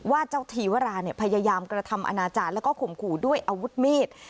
เจ้าทีวราพยายามกระทำอนาจารย์แล้วก็ข่มขู่ด้วยอาวุธมีด